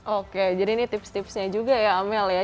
oke jadi ini tips tipsnya juga ya amel ya